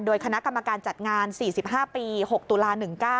โดยคณะกรรมการจัดงาน๔๕ปี๖ตุลา๑๙